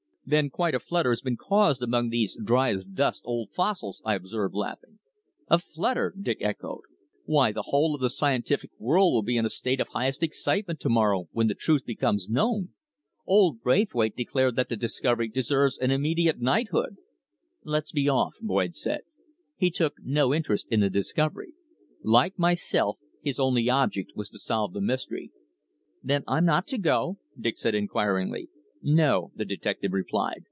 "Then quite a flutter has been caused among these dry as dust old fossils," I observed, laughing. "A flutter!" Dick echoed. "Why, the whole of the scientific world will be in a state of highest excitement to morrow when the truth becomes known. Old Braithwaite declared that the discoverer deserves an immediate knighthood." "Let's be off," Boyd said. He took no interest in the discovery. Like myself, his only object was to solve the mystery. "Then I'm not to go?" Dick said inquiringly. "No," the detective replied.